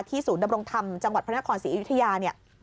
ศูนย์ดำรงธรรมจังหวัดพระนครศรีอยุธยาเนี่ย